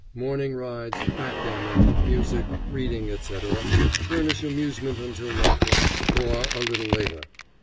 Morning rides, backgammon, music, reading, etc., furnish amusement until one o'clock, or a little later.